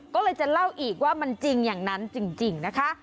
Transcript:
ก็เลยจะเล่าอีกว่ามันจริงอย่างนั้นจริงนะคะ